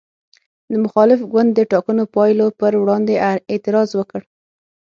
د مخالف ګوند د ټاکنو پایلو پر وړاندې اعتراض وکړ.